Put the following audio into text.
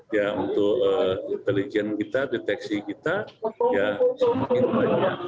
ya untuk intelijen kita deteksi kita ya semakin banyak